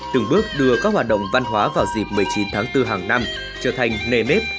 từng bước đưa các hoạt động văn hóa vào dịp một mươi chín tháng bốn hàng năm trở thành nề nếp